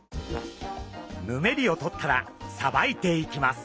ヌメリをとったらさばいていきます。